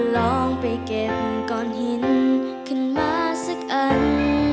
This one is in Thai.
ลองไปเก็บก้อนหินขึ้นมาสักอัน